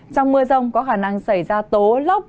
trong mưa rông có khả năng xảy ra tố lốc